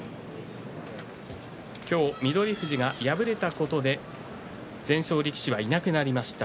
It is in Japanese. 翠富士が敗れたことで全勝力士はいなくなりました。